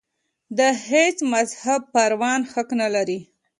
د هېڅ مذهب پیروان حق نه لري.